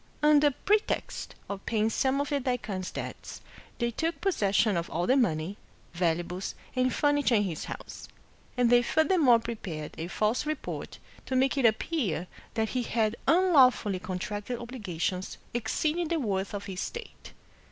Under pretext of paying some of the daikwan's debts, they took possession of all the money, valuables, and furniture in his house; and they furthermore prepared a false report to make it appear that he had unlawfully contracted obligations exceeding the worth of his estate.